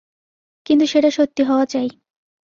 কিন্তু সেটা সত্যি হওয়া চাই।